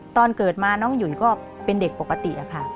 ตอนเกิดมาน้องหยุ่นก็เป็นเด็กปกติอะค่ะ